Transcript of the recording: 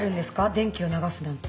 電気を流すなんて。